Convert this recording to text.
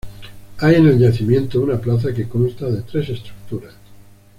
Hay en el yacimiento una plaza que consta de tres estructuras.